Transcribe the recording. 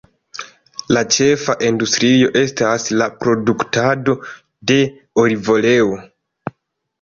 La ĉefa industrio estas la produktado de olivoleo.